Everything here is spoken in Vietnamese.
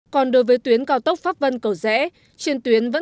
còn đối với tuyến cao tốc pháp vân cầu rẽ